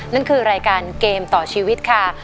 นั่นคือรายการเกมต่อชีวิตค่ะ